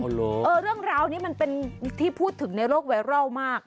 เรื่องราวนี้มันเป็นที่พูดถึงในโลกไวรัลมาก